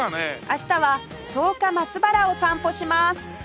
明日は草加松原を散歩します